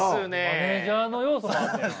マネージャーの要素もあんのや。